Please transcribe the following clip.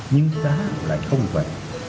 nhưng đá lại không về